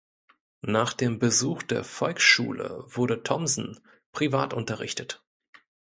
Nach dem Besuch der Volksschule wurde Thomsen privat unterrichtet.